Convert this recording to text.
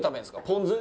ポン酢？